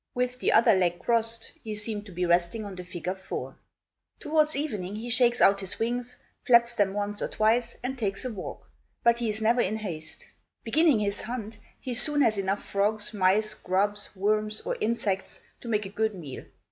With the other leg crossed, he seems to be resting on the figure four (4). Towards evening he shakes out his wings, flaps them once or twice, and takes a walk, but he is never in haste. Beginning his hunt, he soon has enough frogs, mice, grubs, worms or insects to make a good meal.